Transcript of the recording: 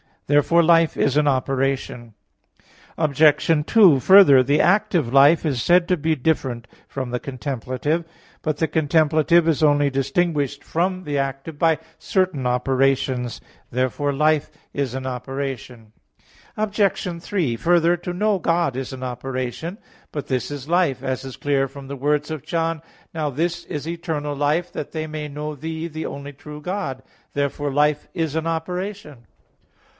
Therefore life is an operation. Obj. 2: Further, the active life is said to be different from the contemplative. But the contemplative is only distinguished from the active by certain operations. Therefore life is an operation. Obj. 3: Further, to know God is an operation. But this is life, as is clear from the words of John 18:3, "Now this is eternal life, that they may know Thee, the only true God." Therefore life is an operation.